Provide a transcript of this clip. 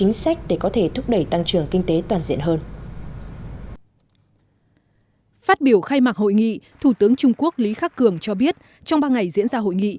phát biểu khai mạc hội nghị thủ tướng trung quốc lý khắc cường cho biết trong ba ngày diễn ra hội nghị